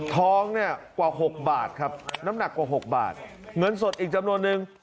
ท้องเนี่ยกว่า๖บาทครับน้ำหนักกว่า๖บาทเงินสดอีกจำนวนนึง